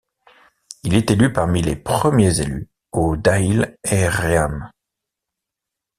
Il est élu parmi les premiers élus au Dáil Éireann.